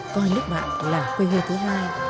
coi nước bạn là quê hương thứ hai